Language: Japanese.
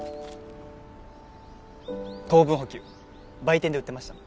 糖分補給売店で売ってました